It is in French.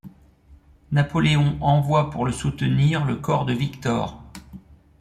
Napoléon envoie pour le soutenir le corps de Victor.